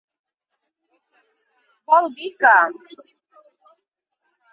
Vol dir que.